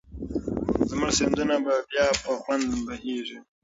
زموږ سیندونه به بیا په خوند بهېږي.